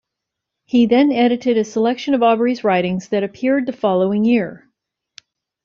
He then edited a selection of Aubrey's writings that appeared the following year.